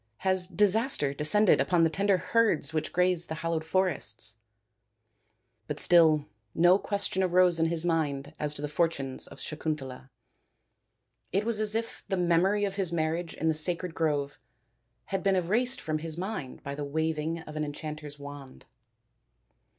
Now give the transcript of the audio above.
Has disaster descended upon the tender herds which graze in the hallowed forests ?" But still no question arose in his mind as to the fortunes of Sakuntala. It was as if the memory of his marriage in the sacred grove had been erased from his mind by the waving of an enchanter's wand.